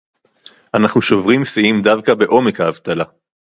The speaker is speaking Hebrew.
אנחנו שוברים שיאים דווקא בעומק האבטלה